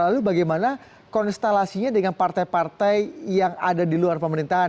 lalu bagaimana konstelasinya dengan partai partai yang ada di luar pemerintahan